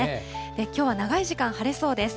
きょうは長い時間、晴れそうです。